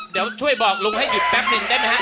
เดี๋ยวช่วยบอกลุงให้หยุดแป๊บหนึ่งได้ไหมครับ